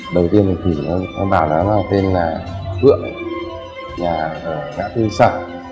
đầu tiên thì anh bảo là tên là phượng nhà ở ngã tư sở